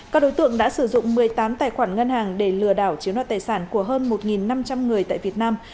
các đối tượng đã sử dụng một mươi tám tài khoản ngân hàng để lừa đảo chiếm đoạt tài sản của hơn một năm trăm linh người tại việt nam